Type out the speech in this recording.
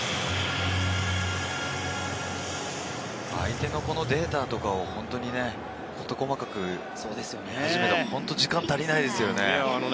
相手のデータとかをこと細かく、時間が足りないですよね。